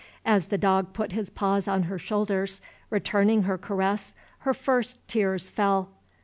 As the dog put his paws on her shoulders, returning her caress, her first tears fell.